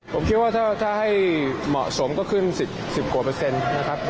ผมคิดว่าถ้าให้เหมาะสมก็ขึ้น๑๐กว่าเปอร์เซ็นต์นะครับ